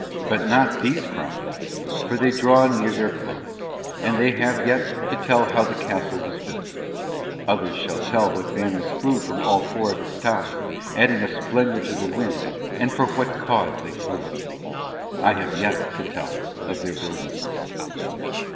But not these chronicles, for they draw near their close, and they have yet to tell how the castle was built. Others shall tell what banners flew from all four of its towers, adding a splendour to the wind, and for what cause they flew. I have yet to tell of their building.